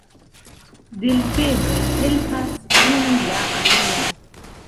Delfenoj helpas unu la alian.